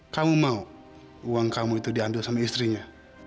kamu mau uang kamu itu diambil sama istrinya